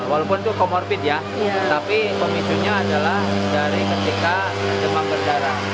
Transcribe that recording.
walaupun itu comorbid ya tapi pemicunya adalah dari ketika demam berdarah